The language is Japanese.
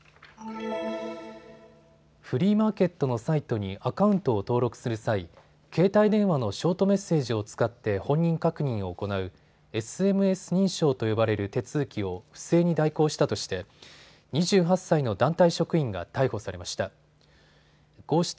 フリーマーケットのサイトにアカウントを登録する際、携帯電話のショートメッセージを使って本人確認を行うＳＭＳ認証と呼ばれる手続きを不正に代行したとして２８歳の団体職員が逮捕されました。